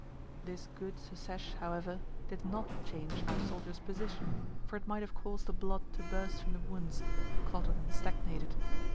This good secesh, however, did not change our soldier's position, for it might have caused the blood to burst from the wounds, clotted and stagnated.